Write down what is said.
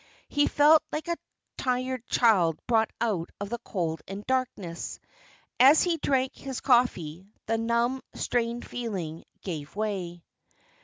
He felt like a tired child brought out of the cold and darkness. As he drank his coffee, the numb, strained feeling gave way.